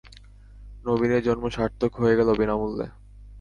নবীনের জন্ম সার্থক হয়ে গেল বিনামূল্যে।